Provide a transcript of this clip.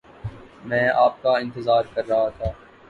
میں آپ کا انتظار کر رہا تھا۔